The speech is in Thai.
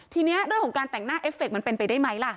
ทีนี้เรื่องของการแต่งหน้าเอฟเคมันเป็นไปได้ไหมล่ะ